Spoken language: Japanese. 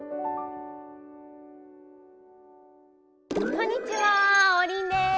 こんにちは王林です。